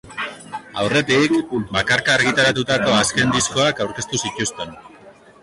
Aurretik, bakarka argitaratutako azken diskoak aurkeztu zituzten.